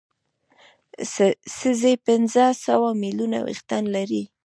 سږي پنځه سوه ملیونه وېښتان لري.